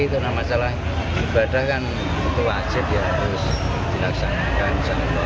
karena masalah ibadah kan itu wajib ya harus dilaksanakan